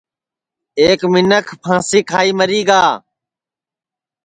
ایک منکھ پھانٚسی کھائی مری گا